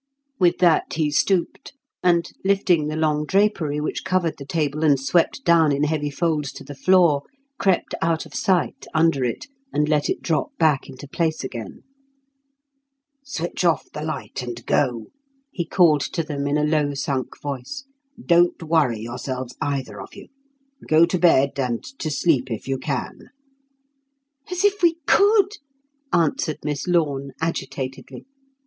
With that he stooped and, lifting the long drapery which covered the table and swept down in heavy folds to the floor, crept out of sight under it, and let it drop back into place again. "Switch off the light and go," he called to them in a low sunk voice. "Don't worry yourselves, either of you. Go to bed, and to sleep if you can." "As if we could," answered Miss Lorne agitatedly.